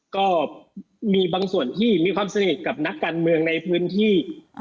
ก็มีบางส่วนที่มีความสนิทกับนักการเมืองในพื้นที่